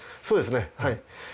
そうですねはい。